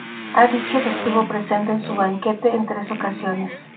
Ha dicho que estuvo presente en su banquete en tres ocasiones.